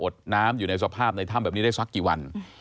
ดน้ำอยู่ในสภาพในถ้ำแบบนี้ได้สักกี่วัน